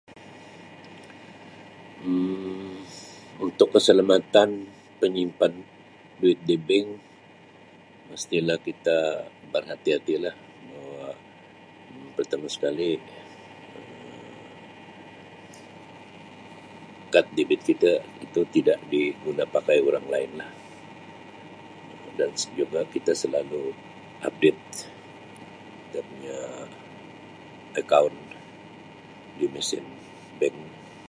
Um Untuk keselamatan penyimpan duit di bank mesti lah kita berhati-hati lah me pertama sekali Um kad debit kita itu tidak diguna pakai orang lain lah dan juga kita selalu update kita punya akaun di mesin bank.